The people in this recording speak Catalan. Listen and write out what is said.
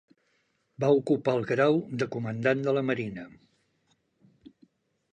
Va ocupar el grau de comandant de la Marina.